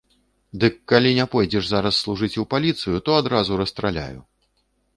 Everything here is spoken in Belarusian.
Дык калі не пойдзеш зараз служыць у паліцыю, то адразу расстраляю.